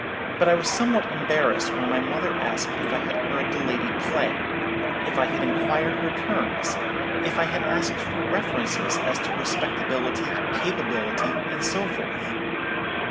But I was somewhat embarrassed when my mother asked if I had heard the lady play; if I had inquired her terms; if I had asked for references as to respectability, capability, and so forth.